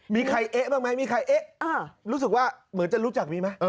มีใครเอ๊ะบ้างไหมมีใครเอ๊ะรู้สึกว่าเหมือนจะรู้จักมีไหม